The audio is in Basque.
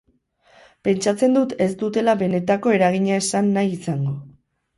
Pentsatzen dut ez dutela benetako eragina esan nahi izango.